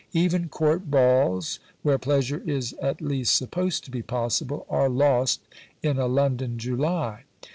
Even Court balls, where pleasure is at least supposed to be possible, are lost in a London July.